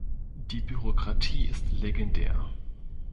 Die Bürokratie ist legendär.